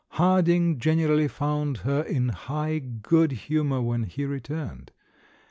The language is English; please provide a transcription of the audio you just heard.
Harding generally found her in high good hu mour when he returned.